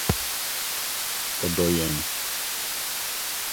Ɔdɔ yɛn.